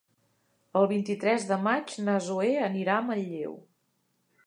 El vint-i-tres de maig na Zoè anirà a Manlleu.